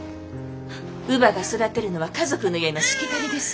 乳母が育てるのは華族の家のしきたりです。